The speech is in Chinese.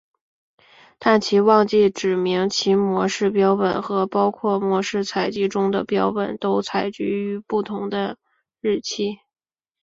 但其忘记指明其模式标本和包括模式采集中的标本都采集于不同的日期。